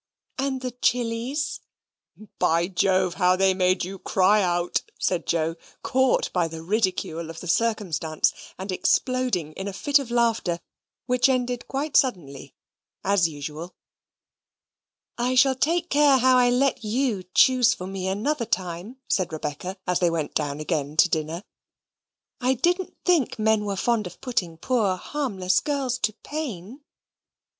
"And the chilis?" "By Jove, how they made you cry out!" said Joe, caught by the ridicule of the circumstance, and exploding in a fit of laughter which ended quite suddenly, as usual. "I shall take care how I let YOU choose for me another time," said Rebecca, as they went down again to dinner. "I didn't think men were fond of putting poor harmless girls to pain."